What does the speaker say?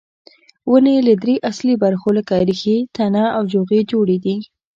ونې له درې اصلي برخو لکه ریښې، تنه او جوغې جوړې دي.